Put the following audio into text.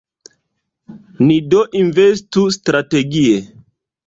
Ni do investu strategie.